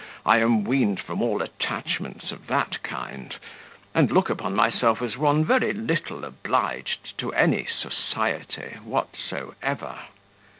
I am weaned from all attachments of that kind, and look upon myself as one very little obliged to any society whatsoever.